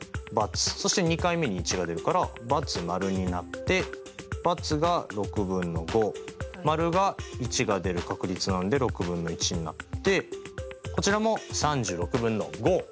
そして２回目に１が出るから×○になって×が６分の５○が１が出る確率なんで６分の１になってこちらも３６分の５。